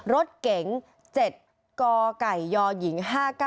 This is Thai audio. รถเก๋ง๗กไก่ยหญิง๕๙